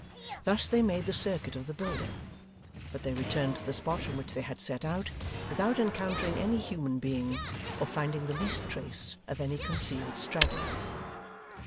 Thus they made the circuit of the building: but they returned to the spot from which they had set out, without encountering any human being, or finding the least trace of any concealed straggler.